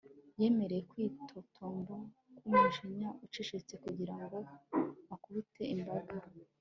yemereye kwitotomba k'umujinya ucecetse kugira ngo akubite imbaga